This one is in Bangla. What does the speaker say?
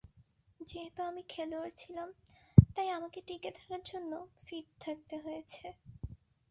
যেহেতু আমি খেলোয়াড় ছিলাম, তাই আমাকে টিকে থাকার জন্য ফিট থাকতে হয়েছে।